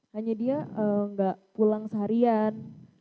hanya dia nggak pulang seharian